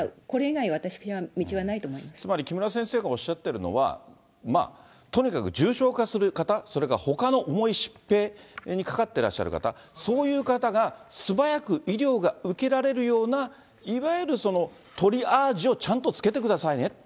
これ以外は、つまり、木村先生がおっしゃっているのは、とにかく重症化する方、それから、ほかの重い疾病にかかってらっしゃる方、そういう方が素早く医療が受けられるような、いわゆるトリアージをちゃんとつけてくださいね。